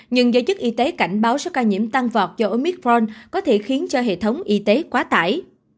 nhưng giới chức y tế cảnh báo số ca nhiễm tăng vọt do omitforn có thể khiến cho hệ thống y tế quá tải